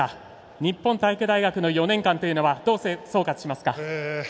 日本体育大学４年間というのはどう総括しますか？